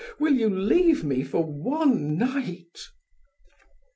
Will you leave me for one night?"